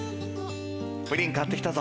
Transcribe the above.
プリン買って来たぞ。